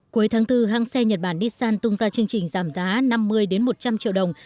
cuối tháng bốn hãng xe nhật bản nissan tung ra chương trình giảm giá năm mươi một trăm linh triệu đồng